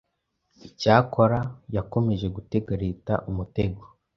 Icyakora yakomeje gutega Leta umutego